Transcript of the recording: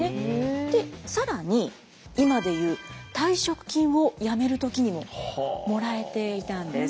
更に今で言う退職金を辞める時にももらえていたんです。